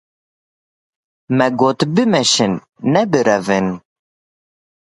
Me got bimeşin, ne birevin!